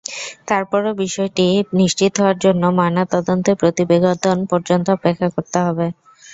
তারপরও বিষয়টি নিশ্চিত হওয়ার জন্য ময়নাতদন্তের প্রতিবেদন পর্যন্ত অপেক্ষা করতে হবে।